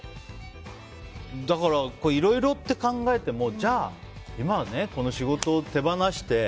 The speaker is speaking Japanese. だから、いろいろって考えてもじゃあ今はこの仕事を手放して。